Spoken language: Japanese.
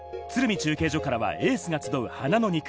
中継所からはエースが集う花の２区。